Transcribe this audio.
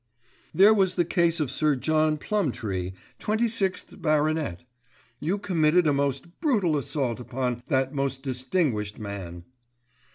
"There was the case of Sir John Plumtree, 26th baronet. You committed a most brutal assault upon that most distinguished man."